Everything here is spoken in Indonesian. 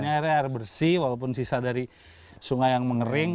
ini air bersih walaupun sisa dari sungai yang mengering